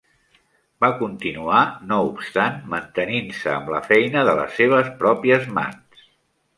Va continuar, no obstant, mantenint-se amb la feina de les seves pròpies mans.